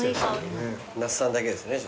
那須さんだけですね。